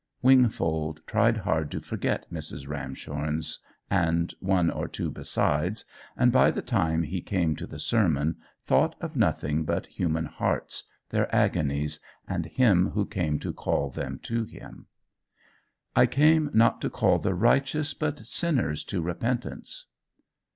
Wingfold tried hard to forget Mrs. Ramshorn's, and one or two besides, and by the time he came to the sermon, thought of nothing but human hearts, their agonies, and him who came to call them to him. "I came not to call the righteous, but sinners to repentance."